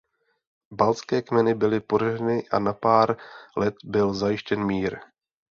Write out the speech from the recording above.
Baltské kmeny byly poraženy a na pár let byl zajištěn mír.